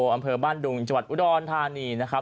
อำเภอบ้านดุงจวัดอุดรธานี